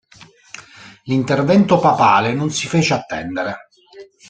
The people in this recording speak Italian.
L'intervento papale non si fece attendere.